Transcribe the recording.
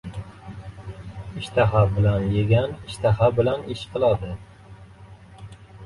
• Ishtaha bilan yegan ishtaha bilan ish qiladi.